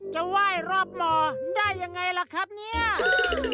จะไหว้รอบหล่อได้ยังไงล่ะครับเนี่ย